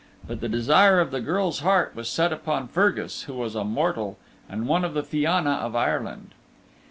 But the desire of the girl's heart was set upon Fergus who was a mortal, and one of the Fianna of Ireland.